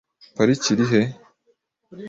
Parike iri he?